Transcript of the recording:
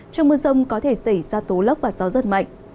trong mưa rông có thể xảy ra tố lốc và gió rất mạnh